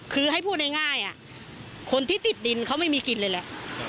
คือให้พูดง่ายคนที่ติดดินเขาไม่มีกินเลยแหละ